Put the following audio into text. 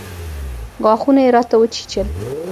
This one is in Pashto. غاښونه يې راته وچيچل.